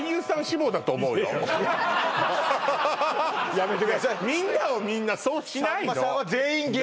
やめてくださいみんなをみんなそうしないのねえねえ